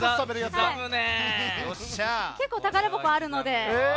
結構宝箱あるので。